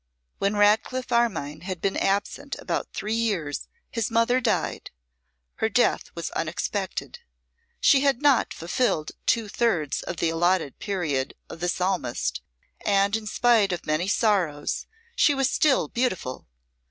When Ratcliffe Armine had been absent about three years his mother died. Her death was unexpected. She had not fulfilled two thirds of the allotted period of the Psalmist, and in spite of many sorrows she was still beautiful.